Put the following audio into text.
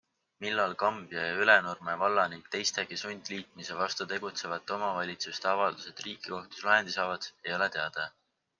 Millal Kambja ja Ülenurme valla ning teistegi sundliitmise vastu tegutsevate omavalitsuste avaldused riigikohtus lahendi saavad, ei ole teada.